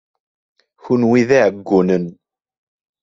Kenwi d iɛeggunen!